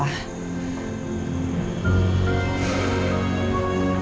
aku tadi kepikiran ya pa